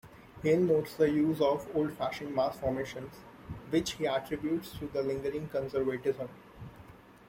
Hale notes the use of old-fashioned mass formations, which he attributes to lingering conservatism.